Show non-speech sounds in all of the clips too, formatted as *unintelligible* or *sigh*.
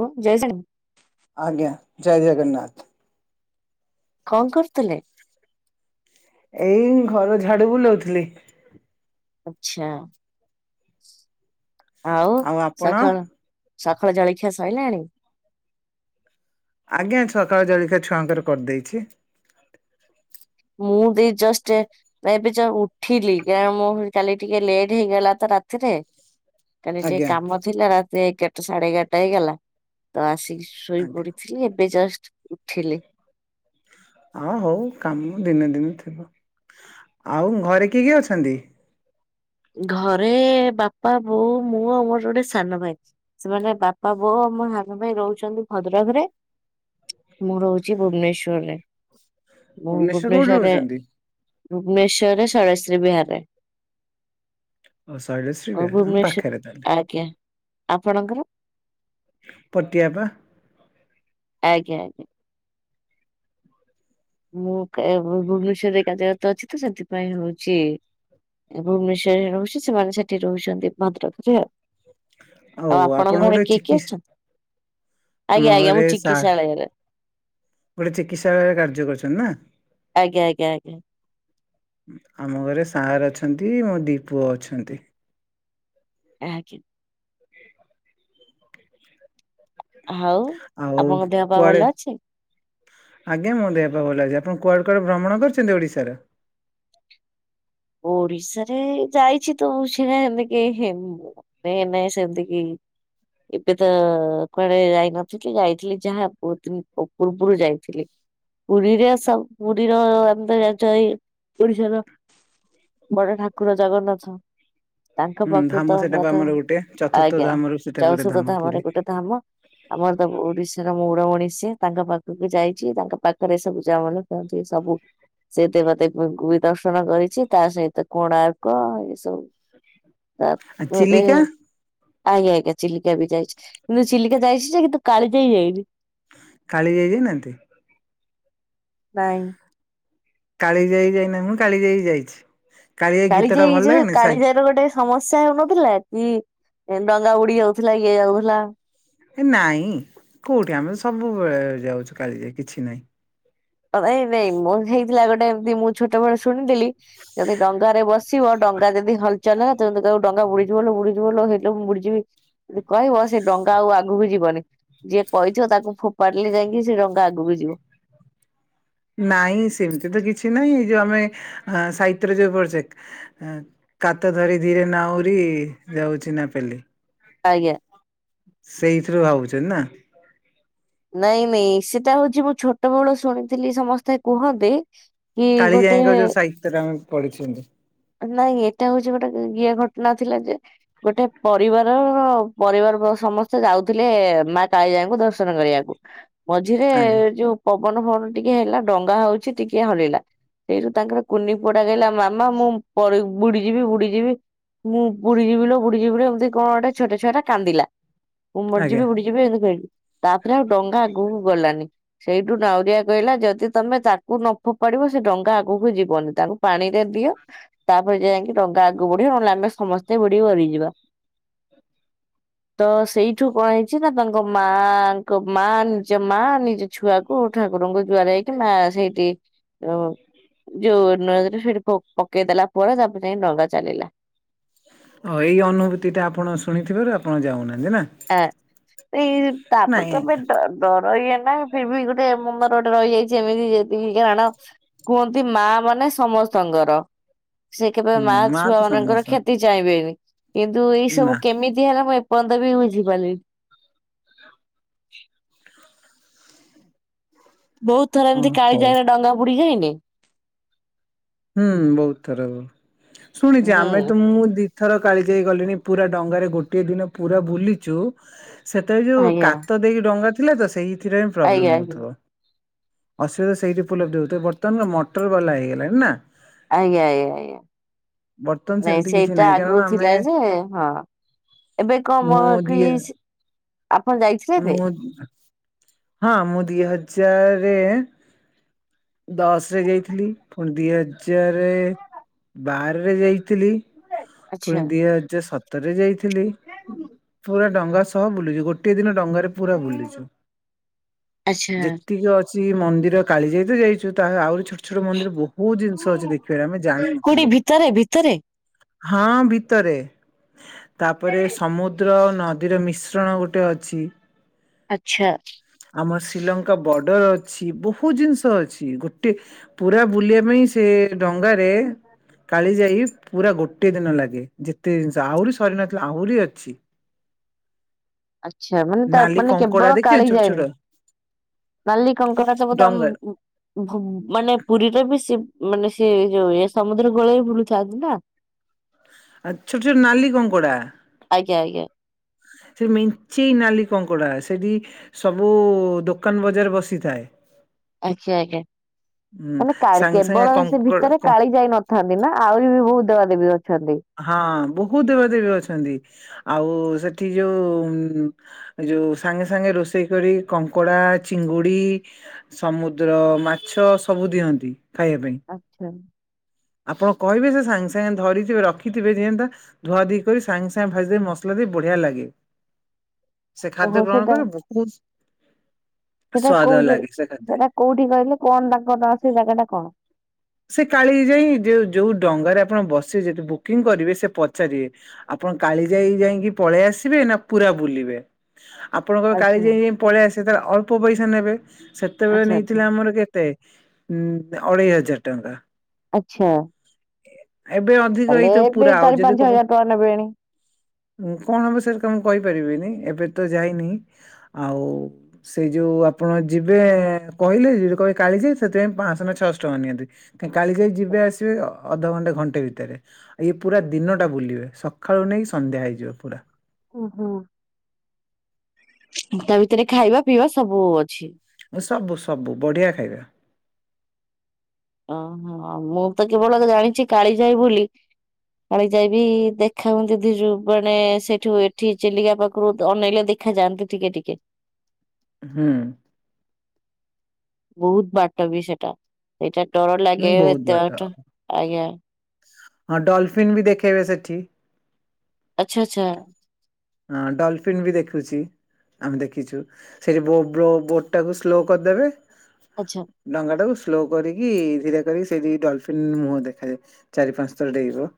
ଓ, ଜୟ ଜଗନ୍ ଆଜ୍ଞା, ଜୟ ଜଗନ୍ନାଥ। କଣ କରୁଥିଲେ? ଏଇ ଘର ଝାଡୁ ବୁଲଉଥିଲି। ଆଚ୍ଛା, ଆଉ ସଖାଳ ସଖାଳ ଜଳଖିଆ ସଇଲାଣି? ଆଜ୍ଞା ସକାଳ ଜଳିଖିଆ ଛୁଆଙ୍କର କରିଦେଇଛି। ମୁଁ ବି ଜଷ୍ଟ ଏ ତ ଏବେ ଯୋ ଉଠିଲି, କାରଣ ମୁଁ *unintelligible* କାଲି ଟିକେ ଲେଟ୍ ହେଇଗଲା ତ ରାତିରେ କାଲି ଟିକେ ଆଜ୍ଞା। କାମ ଥିଲା ରାତି ଏଗାରଟା ସାଢେ ଏଗାରଟା ହେଇଗଲା। ତ ଆସିକି ଶୋଇ ଆଜ୍ଞା ପଡିଥିଲି ଏବେ ଜଷ୍ଟ ଉଠିଲି। ଆଁ ହଉ କାମ ଦିନେ ଦିନେ ଥିବ। ଆଉ ଘରେ କିଏ କିଏ ଅଛନ୍ତି? ଘରେ ବାପା ବୋଉ ମୁଁ ଆଉ ମୋର ଗୋଟେ ସାନ ଭାଇ। ସେମାନେ ବାପା ବୋଉ ଆଉ ମୋ ସାନ ଭାଇ ରହୁଛନ୍ତି ଭଦ୍ରକରେ ମୁଁ ରହୁଛି ଭୁବନେଶ୍ୱର ରେ। ମୁଁ ଭୁବନେଶ୍ୱର କୋଉଠି ଭୁବନେଶ୍ୱରରେ ରହୁଛନ୍ତି ଭୁବନେଶ୍ୱର ରେ ଷରଶ୍ରୀ ବିହାରରେ। ଓ, ଷଇଳଶି ଓ ଭୁବନେଶ୍ଵର ଆଜ୍ଞା, ଆପଣଙ୍କର? ପଟିଆ ପା। ଆଜ୍ଞା ଆଜ୍ଞା। ମୁଁ କେ ଭୁବନେଶ୍ଵର ରେ ଏକା ଯେହେତୁ ଅଛି ତ ସେଥିପାଇଁ ହଉଛି। ଏ ଭୁବନେଶ୍ୱର ରେ ରହୁଛି ସେମାନେ ସେଠି ରହୁଛନ୍ତି ଭଦ୍ରକରେ ଆଉ। ଆଉ ଆପଣ ଆପଣଙ୍କ ଘରେ ଗୋଟେ କିଏ ଚିକି କିଏ ଅଛନ୍ତି? ଆମ ଆଜ୍ଞା ଆଜ୍ଞା ଘରେ ମୁଁ ସା ଚିକିତ୍ସାଳୟରେ। ଗୋଟେ ଚିକିତ୍ସାଳୟରେ କାର୍ଯ୍ୟ କରୁଛନ୍ତି ନା। ଆଜ୍ଞା ଆଜ୍ଞା ଆଜ୍ଞା। ଆମ ଘରେ ସାର୍ ଅଛନ୍ତି ମୋ ଦିଇ ପୁଅ ଅଛନ୍ତି। ଆଜ୍ଞା। ହାଉ ଆଉ ଆପଣଙ୍କ ଦେହ ପା କୁଆଡେ ଭଲ ଅଛି? ଆଜ୍ଞା ମୋ ଦେହ ପା ଭଲ ଅଛି ଆପଣ କୁଆଡ଼େ କୁଆଡେ ଭ୍ରମଣ କରିଛନ୍ତି ଓଡ଼ିଶାର। ଓଡିଶାରେ ଯାଇଛି ତ ବହୁତ ଯାଗା ସେମତି କାଇଁ ହେ ମୁଁ। ଏ ନାଇଁ ସେମତି କି। ଏବେ ତ କୁଆଡେ ଯାଇ ନଥିଲି ଯାଇଥିଲି ଯାହା ବହୁତ ଦିନ ପୁ ପୂର୍ବରୁ ଯାଇଥିଲି। ପୁରୀରେ ସବ ପୁରୀର ଆମେ ତ ଜାଣିଛ ଏଇ ଓଡିଶାର। ବଡ ଠାକୁର ଜଗନ୍ନାଥ। ତାଙ୍କ ହୁଁ ପାଖରୁ ଧାମ ତ ସେଇଟା ବା କଥା ଆମର ଗୋଟେ ଚତୁର୍ଥ ଆଜ୍ଞା ଧାମରୁ ସେଇଟା ଗୋଟେ ଧାମ ଚଉଷତ ପୁରୀ ଧାମରେ ଗୋଟେ ଧାମ। ଆମର ତ ଓଡିଶାର ମଉଡ ମଣି ଷିଏ ତାଙ୍କ ପାଖକୁ ଯାଇଛି ତାଙ୍କ ପାଖରେ ସବୁ ଜା ମା କୁହନ୍ତି କି ସବୁ ସେ ଦେବ ଦେେବୀଙ୍କୁ ବି ଦର୍ଶନ କରିଛି। ତା ସହିତ କୋଣାର୍କ ଏ ସବୁ ଆଉ ତାପରେ। ଚିଲିକା ଆଜ୍ଞା ଆଜ୍ଞା ଚିଲିକା ବି ଯାଇଛି କିନ୍ତୁ ଚିଲିକା ଯାଇଛି ଯେ କିନ୍ତୁ କାଳି ଜାଇ ଯାଇନି। କାଳିଯାଇ ଯାଇ ନାହାନ୍ତି? ନାଇଁ। କାଳିଜାଇ ଯାଇନାହାନ୍ତି ମୁଁ କାଳିଜାଇ ଯାଇଛି। ଗୀତ ଟା କାଳିଜାଇ ଭଲ ଯୋଉ ଲାଗେନି ସାଇ କାଳିଜାଇ ର ଗୋଟେ ଷ ସମସ୍ୟା ହେଉନଥିଲା କି ଡଙ୍ଗା ଉଡ଼ି ଯାଉଥିଲା ଇଏ ଯାଉଥିଲା। ହେ ନାଇଁ କୋଉଠି ଆମେ ତ ସବୁବେଳେ ଯାଉଛୁ କାଳିଜାଇ କିଛି ନାହିଁ। ଏ ନାଇଁ ମୋ ହେଇଥିଲା ଗୋଟେ ଏମିତି ମୁଁ ଛୋଟ ବେଳେ ଶୁଣିଥିଲି। ଯଦି ଡଙ୍ଗାରେ ବସିବ ଡଙ୍ଗା ଯଦି ହଲଚଲ ହବ ତୁମେ ଯଦି କହିବ ଡଙ୍ଗା ବୁଡି ଯିବଲୋ ବୁଡ଼ି ଯିବଲୋ ହେଇଲୋ ମୁଁ ବୁଡ଼ିଯିବି ଯଦି କହିବ ସେ ଡଙ୍ଗା ଆଉ ଆଗକୁ ଯିବନି। ଯିଏ କହିଥିବ ତାକୁ ଫୋପାଡ଼ିଲେ ଯାଇକି ସେ ଡଙ୍ଗା ଆଗକୁ ଯିବ। ନାଇଁ ସେମିତି ତ କିଛି ନହିଁ ଏଇ ଯୋଉ ଆମେ ଆଁ ସାହିତ୍ୟ ରେ ଯୋଉ ପଢ଼ିଚେ। ଆଁ କାତ ଧରି ଧୀରେ ନାଉରି ଯାଉଛି ନା ପେଲି। ଆଜ୍ଞା। ସେଇଥିରୁ ଭାବୁଛନ୍ତି ନା। ନାଇଁ, ନାଇଁ ସେଟା ହଉଛି ମୁଁ ଛୋଟ ବେଳୁ ଶୁଣିଥିଲି ସମସ୍ତେ କୁହନ୍ତି। କି ଗୋଟେ। ସେଇଟା ଆମେ ପଢ଼ିଛନ୍ତି। ନାଇଁ ଏଟା ହଉଛି ଗୋଟେ ଇଏ ଘଟଣା ଥିଲା ଯେ। ଗୋଟେ ପରିବାର ପରିବାର ବ ସମସ୍ତେ ଯାଉ ଥିଲେ ମା କାଳିଜାଇ ଙ୍କୁ ଦର୍ଶନ କରିବାକୁ। ହଁ। ମଝିରେ ଯୋଉ ପବନ ଫବନ ଟିକେ ହେଲା ଡଙ୍ଗା ହଉଛି ଟିକେ ହଲିଲା। ସେଇଠୁ ତାଙ୍କର କୁନି ପୁଅଟା କହିଲା ମାମା ମୁଁ ପଡ଼ି ବୁଡ଼ିଯିବି ବୁଡ଼ିଯିବି। ମୁଁ ବୁଡ଼ିଯିବ ଲୋ ବୁଡ଼ିଯିବି ଲୋ ଏମତି କଁ ଗୋଟା ଛୋଟ ଛୁଆ ଟା କାନ୍ଦିଲା। ମୁଁ ଆଜ୍ଞା। ମରିଯିବି ବୁଡ଼ିଯିବି ଏମତି କହିକି ତାପରେ ଆଉ ଡଙ୍ଗା ଆଗକୁ ଗଲାନି। ସେଇଠୁ ନାଉରିଆ କହିଲା ଯଦି ତମେ ତାକୁ ନ ଫୋପାଡ଼ିବ ସେ ଡଙ୍ଗା ଆଗକୁ ଯିବନି ତାଙ୍କୁ ପାଣିରେ ଦିଅ। ତାପରେ ଯାଇକି ଡଙ୍ଗା ଆଗକୁ ବଢ଼ିବ ନହେଲେ ଆମେ ସମସ୍ତେ ବୁଡ଼ି କି ମରିଯିବା। *inaudible* ତ ସେଇଠୁ କଁ ହେଇଛି ନା ତାଙ୍କ ମା ଙ୍କ ମା ନିଜ ମା ନିଜ। ଛୁଆକୁ ଠାକୁରଙ୍କୁ ଜୁଆର ହେଇକି ମା ସେଇଠି ଯୋଉ ନଇଁରେ ସେଠି ପକେଇ ଦେଲା ପରେ ତାପରେ ଯାଇ ଡଙ୍ଗା ଚାଲିଲା। ଓଃ ଏଇ ଅନୁଭୂତିଟା ଆପଣ ଶୁଣିଥିବାରୁ ଆପଣ ଯାଉନାହାନ୍ତି ନା? ଆଁ ସେଇ ତାପରେ ନାଇଁ ତମେ ଡର ଇଏ ନା ଫିରବି ଗୋଟେ ମନରେ ଗୋଟେ ରହିଯାଇଛି ଏମିତି ଯେତିକି କାରଣ କୁହନ୍ତି ମାଁ ମାନେ ସମସ୍ତଙ୍କର। ସେ କେବେ ହୁଁ ମା ମାଁ-ଛୁଆ ତ ମାନଙ୍କର ସମସ୍ତ କ୍ଷତି ଚାହିଁବେନି କିନ୍ତୁ ଏଇ ନା ସବୁ କେମିତି ହେଲା ମୁଁ ଏପର୍ଯ୍ୟନ୍ତ ବି ବୁଝି ପାରିଲିନି। ବହୁତ ଥର ଓ ଏମତି ହଉ କାଳିଜାଇ ରେ ଡଙ୍ଗାୁ ବୁଡ଼ି ଯାଇନି? ହୁଁ, ବହୁତ ଥର। ଶୁଣିଛି ହୁଁ ଆମେ ତ ମୁଁ ଦି ଥର କାଳିଜାଇ ଗଲିଣି ପୁରା ଡଙ୍ଗାରେ ଗୋଟିଏ ଦିନ ପୁରା ବୁଲିଛୁ ସେତବେଳେ ଯୋଉ ଆଜ୍ଞା କାତ ଦେଇକି ଡଙ୍ଗା ଥିଲା ତ, ସେଇଥିରେ ହିଁ ଆଜ୍ଞା ପ୍ରୋବ୍ଲେମ ଆଜ୍ଞା। ହଉଥିବ। ଅସୁବିଧା ସେଇଠ ଉପଲବ୍ଧ ହେଉଥିବ। ବର୍ତ୍ତମାନ ତ ମଟର ବାଲା ହେଇଗଲାଣି ନା। ଆଜ୍ଞା, ଆଜ୍ଞା, ବର୍ତ୍ତମାନ ଆଜ୍ଞା ନାଇଁ ସେମିତି କିଛି ସେଇଟା ନାହିଁ କାରଣ ଆଗରୁ ଆମେ ଥିଲା ଯେ ହଁ ଏବେ କମ ମୁଁ ଦି କି ସିଏ ଆପଣ ଯାଇଛ ମୁଁ, ହଁ ମୁଁ ଦି ହଜାର ଦଶ ରେ ଯାଇଥିଲି ପୁଣି ଦୁଇ ହଜାର ବାରରେ ଯାଇଥିଲି। *inaudible* ପୁଣି ଦି ହଜାର ସତରରେ ଯାଇଥିଲି। ପୁରା ଡଙ୍ଗା ସହ ବୁଲିଛୁ। ଗୋଟଏ ଦିନ ଡଙ୍ଗାରେ ପୁରା ବୁଲିଛୁ। ଆଚ୍ଛା। ଯେତିକି ଅ ମନ୍ଦିର କାଳିଜାଇ ତ ଯାଇଛୁ। ଆହୁରି ଛୋଟ ଛୋଟ ମନ୍ଦିର ବହୁତ ଜିନିଷ ଅଛି ଦେଖିବାରେ ଆମେ କୋଉଠି ଜାଣିନଥିଲୁ। ଭିତରେ ଭିତରେ? ହଁ ଭିତରେ। ତାପରେ ସମୁଦ୍ର ନଦୀର ମିଶ୍ରଣ ଗୋଟେ ଅଛି। ଆଚ୍ଛା। ଆମ ଶ୍ରୀଲଙ୍କା ବର୍ଡର ଅଛି। ବହୁତ ଜିନିଷ ଅଛି ଗୋଟେ ପୁରା ବୁଲିବା ପାଇଁ ସେ ଡଙ୍ଗାରେ କାଳି ଯାଇ ପୁରା ଗୋଟେ ଗୋଟେ ଦିନ ଲାଗେ। ଯେତେ ଜିନିଷ ଆହୁରି ସରି ନଥିଲା ଆହୁରି ଅଛି। ଆଚ୍ଛା ମାନେ ତା ନାଲି ମାନେ କଙ୍କଡା କେବଳ ଦେଖିଛନ୍ତି ଛୋଟ କାଳିଜାଈ ଛୋଟ ନାଲି କଙ୍କଡ଼ା ସବୁ ତ ଡଙ୍ଗା ମୁଁ ମାନେ ପୁରୀରେ ବି ସେ ମାନେ ସିଏ ଯୋଉ ଇଏ ମାନେ ସମୁଦ୍ରକୂଳରେ ବି ବୁଲୁଥାନ୍ତି ନା। ଆଚ୍ଛା ଯୋଉ ନାଲି କଙ୍କଡ଼ା। ଆଜ୍ଞା ଆଜ୍ଞା। ସେଠି ମେଞ୍ଚେଇ ନାଲି କଙ୍କଡ଼ା। ସେଠି ସବୁ ଦୋକାନ ବଜାର ବସିଥାଏ। ଆଜ୍ଞା ଆଜ୍ଞା। ହୁଁ ମାନେ ସାଙ୍ଗେ ସାଙ୍ଗେ କେବଳ ସେ କଙ୍କଡ ଭିତରେ କ କାଳିଜାଈ ନଥାନ୍ତି ନା ଆହୁରି ବି ବହୁତ ଦେବା ଦେେବୀ ଅଛନ୍ତି? ହଁ ବହୁତ ଦେବା ଦେେବୀ ଅଛନ୍ତି। ଆଉ ସେଠି ଯୋଉ ଯୋଉ ସାଙ୍ଗେ ସାଙ୍ଗେ ରୋଷେଇ କରି କି କଙ୍କଡ଼ା, ଚିଙ୍ଗୁଡ଼ି ସମୁଦ୍ର ମାଛ ସବୁ ଦିଅନ୍ତି ଖାଇବା ପାଇଁ। ଆଚ୍ଛା। ଆପଣ କହିବେ ସେ ସାଙ୍ଗେ ସାଙ୍ଗେ ଧରିଥିବେ ରଖିଥିବେ ଜୀଅନ୍ତା ଧୁଆ ଧୁଇ କରି ସାଙ୍ଗେ ସାଙ୍ଗେ ଭାଜି ଦେବେ ମସଲା ଦେଇ ବଢ଼ିଆ ଲାଗେ। ସେ ଖାଦ୍ୟ ଓହୋ ଗ୍ରହଣ ସେଇଟା କରିବ ବହୁତ ସେଇଟା ସ୍ଵାଦ କୋଉ ଲାଗେ ସେ ଖାଦ୍ୟ। ସେଟା କୋଉଠି କହିଲେ କଣ ତାଙ୍କ ନାଁ ସେ ଜାଗା ଟା କଣ? ସେ କାଳିଜାଈ ଯଉ ଯୋଉ ଡଙ୍ଗାରେ ଆପଣ ବସିବେ ଯଦି ବୁକିଂ କରିବେ ସେ ପଚାରିବେ। ଆପଣ କାଳିଜାଈ ଯାଇକି ପଳେଇ ଆସିବେ ନା ପୁରା ବୁଲିବେ? ଆପଣଙ୍କର ଆଚ୍ଛା କାଳିଜାଈ ଯାଇକି ପଳେଇ ଆସିବେ ତାହାଲେ ଅଳ୍ପ ପଇସା ନେବେ। ସେତେବେଳେ ଆଚ୍ଛା ଆଚ୍ଛା। ନେଇଥିଲେ ଆମର କେ ତେ ଅଢ଼େଇ ହଜାର ଟଙ୍କା। ଆଛା। ଏବେ ଅଧିକ ଏଇତ ଏବେ ପୁରା ଆଉ ଚାରି ଯଦି ପାଞ୍ଚ କବ ହଜାର ଟଙ୍କା ନେବେଣି। ଉଁ କଣ ହବ ସେର କ ମୁଁ କହିପାରିବିନି ଏବେ ତ ଯାଇନି ଆଉ ସେଇ ଯୋଉ ଆପଣ ଯିବେ କହିଲେ ଯି କହିବେ କାଳିଯାଇ ସେଥିପାଇଁ ପାଂ ଶହ ନା ଛଶ୍ ଟଙ୍କା ନିଅନ୍ତି। କଁ କାଳିଜାଇ ଯିବେ ଆସିବେ ଅଧଘଣ୍ଟେ ଘଣ୍ଟେ ଭିତରେ। ଆ ଇଏ ପୁରା ଦିନଟା ବୁଲିବେ ସକାଳୁ ନେଇକି ସନ୍ଧ୍ୟା ହେଇଯିବ ପୁରା। ଓହୋ ତା ଭିତରେ ଖାଇବା ପିଇବା ସବୁ ଅଛି। ସବୁ ସବୁ ବଢିଆ ଖାଇବା। ଓହୋ ମୁଁ ତ କେବଳ ଜାଣିଛି କାଳି ଯାଇ ବୋଲି କାଳି ଯାଇବି ଦେଖା ହୁନ୍ତି ଦୁ ଯୋଉ ମାନେ ସେଠୁ ଏଠି ଚିଲିକା ପାଖରୁ ତ ଅନେଇଲେ ଦେଖ ଦେଖାଯାନ୍ତି ଟିକେ ଟିକେ। ହୁଁ। ବହୁତ ବାଟ ବି ସେଟା ସେଇଟା ଡର ହୁଁ ଲାଗେ ବହୁତ ଏତେ ବାଟ ଆଜ୍ଞା। ହଁ ଡଲଫିନ୍ ବି ଦେଖେଇବେ ସେଠି। ଆଚ୍ଛା ଆଚ୍ଛା। ହଁ ଡଲଫିନ୍ ବି ଦେଖୁଛି। ଆମେ ଦେଖିଛୁ ସେଠି ବୋ ବ୍ରୋ ବୋଟ ଟାକୁ ସ୍ଲୋ କରିଦେବେ ଆଚ୍ଛା। ଡଙ୍ଗା ଟାକୁ ସ୍ଲୋ କରିକି ଧୀରେ କରିକି ସେଠି ଡଲଫିନ୍ ମୁହଁ ଦେଖାଯାଏ। ଚାରି ପାଂସ ଥର ଡେଇବ।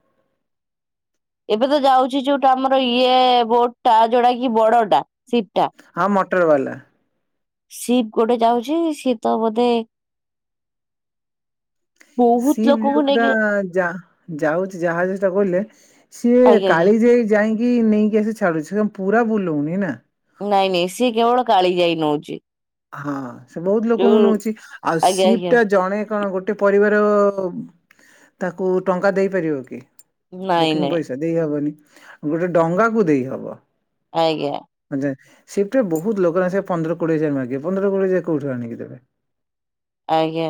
ଏବେ ତ ଯାଉଛି ଯୋଉଟା ଆମର ଇଏ ବୋଟ ଟା ଯୋଉଟା କି ବଡଟା ସିପ୍ ଟା। ହଁ ମଟର ବାଲା। ସିପ୍ ଗୋଟେ ଯାଉଛି ସି ତ ବୋଧେ ବହୁତ ସିପ୍ ଲୋକଙ୍କୁ ଯୋଉଟା ନେଇକି ଯା ଯାଉଛି ଜାହାଜ ସେଟା ବୋଇଲେ ସିଏ ଆଜ୍ଞା ଆଜ୍ଞା। କାଳି ଯାଇ ଯାଇକି ନେଇକି ଆସି ଛାଡୁଛି ତ ପୁରା ବୁଲଉନି ନା। ନାଇଁ ନାଇଁ ସିଏ କେବଳ କାଳି ଯାଇ ନଉଛି। ହଁ ସେ ବହୁତ ଲୋକଙ୍କୁ ଯୋଉ ନୋଉଛି ଆଉ ଆଜ୍ଞା ସିପ୍ ଆଜ୍ଞା। ଟା ଜଣେ କଣ ଗୋଟେ ଟେ ପରିବାର ତାକୁ ଟକା ଦେଇପାରିବ କି ନାଇଁ ବୁକିଂ ନାଇଁ ପଇସା। ଦେଇ ହବନି ଗୋଟେ ଡଙ୍ଗା କୁ ଦେଇହବ। ଆଜ୍ଞା। ହଁ ଯେ ସିଫ୍ଟ ରେ ବହୁତ ଲୋକ ନାସେ ପନ୍ଦର କୋଡିଏଜାର ମାଗିବେ ପନ୍ଦର କୋଡିଏ ହଜାର କୋଉଠୁ ଆଣିକି ଦେବେ। ଆଜ୍ଞା।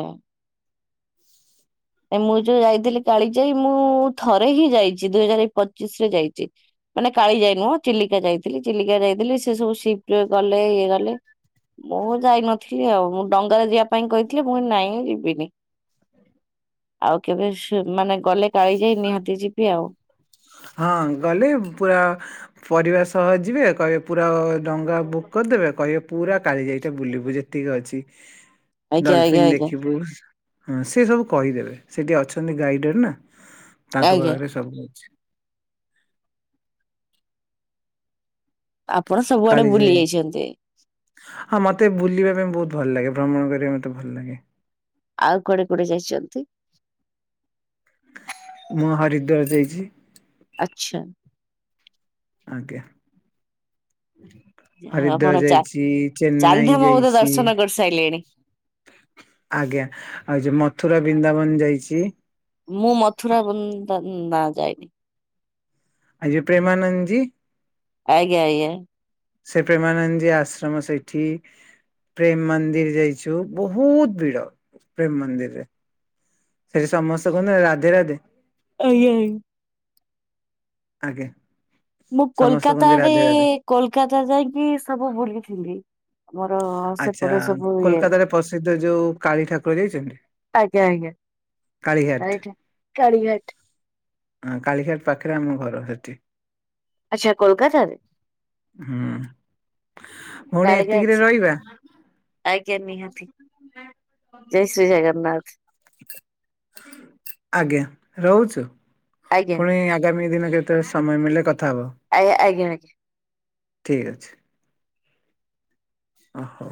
ଏ ମୁଁ ଯୋଉ ଯାଇଥିଲି କାଳି ଯାଇ ମୁଁ ଥରେ ହିଁ ଯାଇଛି ଦୁଇ ହଜାର ପଚିଶ ରେ ଯାଇଛି। ମାନେ କାଳି ଯାଇ ନୁହଁ ଚିଲିକା ଯାଇଥିଲି ଚିଲିକା ଯାଇଥିଲି ସେ ସବୁ ସିପଟ୍ ଗଲେ ଇଏ ଗଲେ ମୁଁ ଯାଇନଥିଲି ଆଉ ମୁଁ ଡଙ୍ଗାରେ ଯିବା ପାଇଁ କହିଥିଲି ମୁ କଲି ନାଇଁ ମୁଁ ଯିବିନି। ଆଉ କେବେ ସି ମାନେ ଗଲେ କାଳି ଯାଇ ନିହାତି ଯିବି ଆଉ। ହଁ ଗଲେ ପୁରା ପରିବା ସହ ଯିବେ କହି ପୁରା ଡଙ୍ଗା ବୁକ୍ କରିଦେବେ କହିବେ ପୁରା କାଳିଜାଇ ଟା ବୁଲିବୁ ଯେତିକି ଅଛି। ଆଜ୍ଞା ଆଜ୍ଞା ଡଲଫିନ ଆଜ୍ଞା ଦେଖିବୁ। ହଁ ସେ ସବୁ କହିଦେବେ ସେଠି ଅଛନ୍ତି ଗାଇଡେଡ ନା ତାଙ୍କ ଆଜ୍ଞା ପାଖରେ ସବୁ ଅଛି। ଆପଣ ସବୁଆଡେ ବୁଲି କାଳିଜାଇ ଯାଇଛନ୍ତି। ହଁ ମତେ ବୁଲିବା ପାଇଁ ବହୁତ ଭଲ ଲାଗେ ଭ୍ରମଣ କରିବାକୁ ମତେ ଭଲ ଲାଗେ। ଆଉ କୁଡେ କୁଡେ ଯାଇଛନ୍ତି? ମୁଁ ହରିଦ୍ୱାର ଯାଇଛି। ଆଛା। ଆଜ୍ଞା। ଆପଣ ହରିଦ୍ୱାର ଚା ଯାଇଛି ଚେନ୍ନାଇ ଚାରିଧାମ ବୋଧେ ଯାଇଛି। ଦର୍ଶନ କରିସାରିଲେଣି ଆଜ୍ଞା ଆଉ ଯେଉ ମଥୁରା ବ୍ରିନ୍ଦାବନ ଯାଇଛି। ମୁଁ ମଥୁରା ବ୍ରୁନ୍ଦା ବା ଯାଇନି। ଆଉ ଯେ ପ୍ରେମାନନ୍ଦ ଜି। ଆଜ୍ଞା ଆଜ୍ଞା। ସେ ପ୍ରେମାନନ୍ଦୀ ଥୀ ଆଶ୍ରମ ସେଇଠି। ପ୍ରେମ ମନ୍ଦିର ଯାଇଛୁ ବହୁତ ଭିଡ ପ୍ରେମ ମନ୍ଦିରରେ। ସେଠି ସମସ୍ତେ କୁହନ୍ତି ରାଧେ ରାଧେ। ଆଜ୍ଞା ଆଜ୍ଞା। ଆଜ୍ଞା। ମୁଁ ସମସ୍ତେ କୁହନ୍ତି କୋଲକାତାରେ ରାଧେ ରାଧେ କୋଲକାତା ଯାଇକି ସବୁ ବୁଲିଥିଲି। ଆମର ଆଚ୍ଛା ସେପଟେ ସବୁ ଇଏ କୋଲକାତାରେ ପ୍ରସିଦ୍ଧ ଯୋଉ କାଳୀ ଠାକୁର ଯାଇଛନ୍ତି? ଆଜ୍ଞା ଆଜ୍ଞା। କାଳିଘାଟ। ରାଇଟ। କାଳିଘାଟ। ହଁ କାଳିଘାଟ ପାଖରେ ଆମ ଘର ସେଠି। ଆଚ୍ଛା କୋଲକାତାରେ। ହୁଁ। ଭଉଣୀ ଏତିକିରେ କାଳିଘାଟ ରହିବା ଆଜ୍ଞା ନିହାତି। ଜୟ ଶ୍ରୀ ଜଗନ୍ନାଥ। ଆଜ୍ଞା ରହୁଛୁ ଆଜ୍ଞା ପୁଣି ଆଗାମୀ ଦିନରେ ସମୟ ମିଳିଲେ କଥା ହେବ। ଆଜ୍ଞା ଆଜ୍ଞା *inaudible* ଠିକ୍ ଅଛି। ଓହୋ।